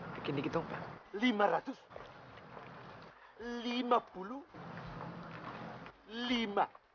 begini gitu pak